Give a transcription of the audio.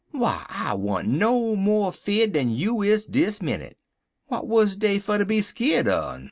'W'y I want no mo 'feared dan you is dis minnit. W'at wuz dey fer ter be skeered un?'